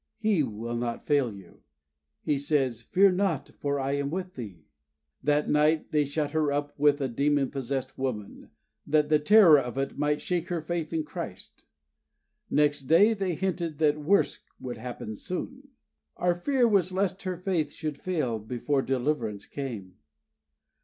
He will not fail you. He says, 'Fear thou not, for I am with thee.'" That night they shut her up with a demon possessed woman, that the terror of it might shake her faith in Christ. Next day they hinted that worse would happen soon. Our fear was lest her faith should fail before deliverance came.